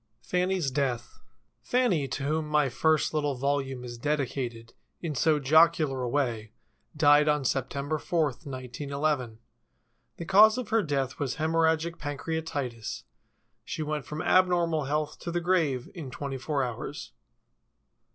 217 FANNIE'S DEATH "Fannie" to whom my first little volume is dedicated, in so jocular a way, died on September 4, 1911. The cause of her death was hemorrhagic pancreatitis. She went from ab normal health to the grave in twenty four hours.